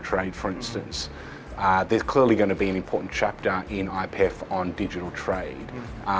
memastikan data bisa berjalan dengan ruang yang sesuai untuk kebijakan regulasi yang sepatutnya